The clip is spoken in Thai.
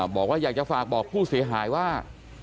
บอกว่าอยากจะฝากบอกผู้เสียหายว่า